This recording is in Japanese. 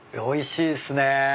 おいしいっすね。